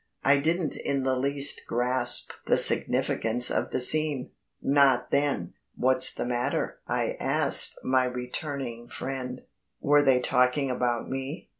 I didn't in the least grasp the significance of the scene not then. "What's the matter?" I asked my returning friend; "were they talking about me?"